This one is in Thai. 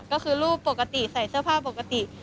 ก็คือรูปปกติใส่เสื้อผ้าปกติ